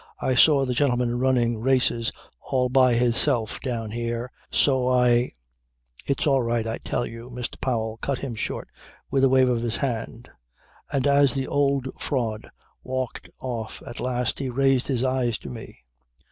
I saw the gentleman running races all by 'isself down 'ere, so I ..." "It's all right I tell you," Mr. Powell cut him short with a wave of his hand; and, as the old fraud walked off at last, he raised his eyes to me.